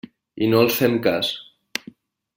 I no els fem cas.